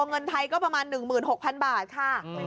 เงินไทยก็ประมาณ๑๖๐๐๐บาทค่ะ